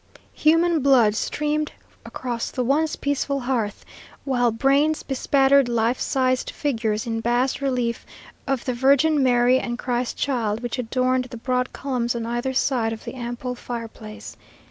Human blood streamed across the once peaceful hearth, while brains bespattered life sized figures in bas relief of the Virgin Mary and Christ Child which adorned the broad columns on either side of the ample fireplace.